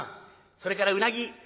それからうなぎ。